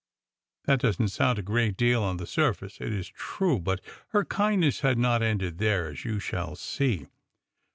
That doesn't sound a great deal on the surface, it is true, but her kindness had not ended there, as you shall see.